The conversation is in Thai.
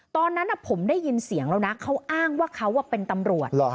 ตอนนั้นผมได้ยินเสียงแล้วนะเขาอ้างว่าเขาเป็นตำรวจ